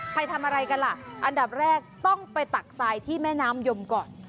ใครทำอะไรกันล่ะอันดับแรกต้องไปตักทรายที่แม่น้ำยมก่อน